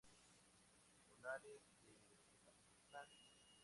Valores de Zapotlán.